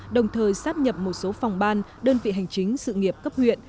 đồng thời sáp nhập một số phòng ban đơn vị hành chính sự nghiệp cấp huyện